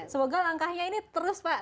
semoga langkahnya ini terus pak